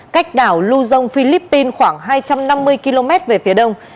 cách đảo luzon philippines khoảng hai trăm năm mươi km về phía đông